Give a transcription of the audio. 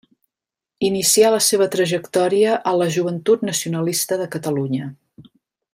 Inicià la seva trajectòria a la Joventut Nacionalista de Catalunya.